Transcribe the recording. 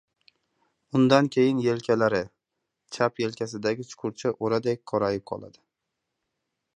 Undan keyin yelkalari... Chap yelkasidagi chuqurcha o‘radek qorayib qoladi.